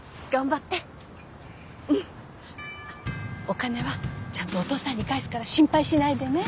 お金はちゃんとお父さんに返すから心配しないでね。